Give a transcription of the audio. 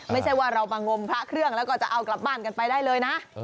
ไม่ใช่ว่าเรามางมพระเครื่องแล้วก็จะเอากลับบ้านกันไปได้เลยนะ